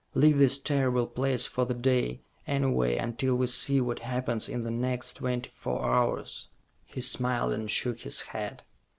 Leave this terrible place for the day, anyway, until we see what happens in the next twenty four hours." He smiled and shook his head.